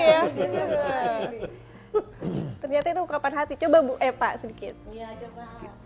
ternyata itu ukapan hati coba pak sedikit